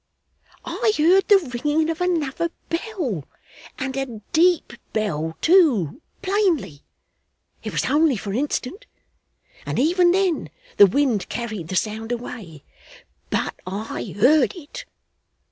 'I heard the ringing of another bell, and a deep bell too, plainly. It was only for an instant, and even then the wind carried the sound away, but I heard it.